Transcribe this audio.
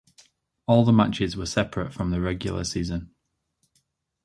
All the matches were separate from the regular season.